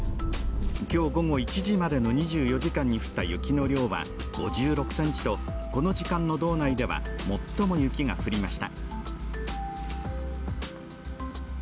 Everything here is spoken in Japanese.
今日午後１時までの２４時間に降った雪の量は５６ｃｍとこの時間の道内では最も雪が降りました。